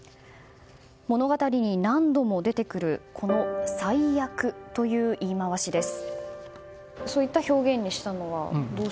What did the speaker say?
物語に何度も出てくるこの「災厄」という言い回しです。